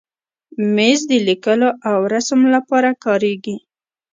مېز د لیکلو او رسم لپاره کارېږي.